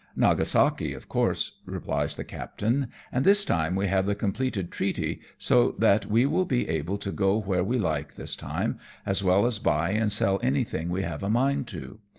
" Nagasaki, of course," replies the captain, " and this time, we have the completed treaty, so that we will be able to go where jwe like this time, as well as buy and sell anything we have a mind to.